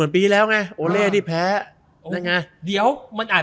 เปลี่ยน